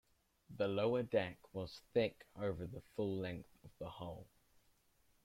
The lower deck was thick over the full length of the hull.